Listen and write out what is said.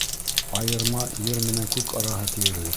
Айырма ер менән күк араһы тиерлек.